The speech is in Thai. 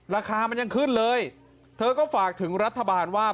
ราคามันยังขึ้นเลยเธอก็ฝากถึงรัฐบาลว่า